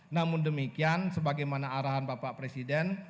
namun demikian sebagaimana arahan bapak presiden